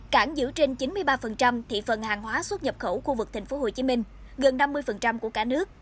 cảng giữ trên chín mươi ba thị phần hàng hóa xuất nhập khẩu khu vực tp hcm gần năm mươi của cả nước